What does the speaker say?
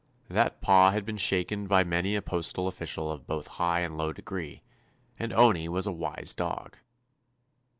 That paw had been shaken by many a postal ofBcial of both high and low degree, and Owney was a wise dog.